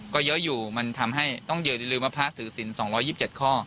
ก็เยอะอยู่มันทำให้ต้องเยื่อดีดลืมว่าผ้าถือสิน๒๒๗ข้อ